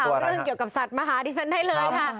เรื่องเกี่ยวกับสัตว์มาหาดิฉันได้เลยค่ะ